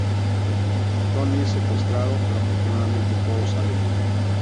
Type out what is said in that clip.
Tony es secuestrado, pero afortunadamente todo sale bien.